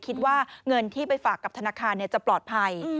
คิดว่าเงินที่ไปฝากกับธนาคารจะปลอดภัย